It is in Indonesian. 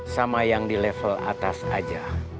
sama yang di level atas aja